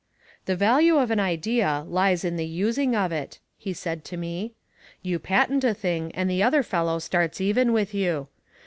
"The value of an idea lies in the using of it," he said to me. "You patent a thing and the other fellow starts even with you.